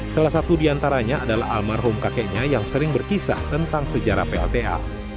salah satu diantaranya adalah almarhum kakeknya yang sering berkisah tentang sejarah plta